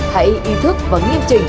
hãy ý thức và nghiêm trình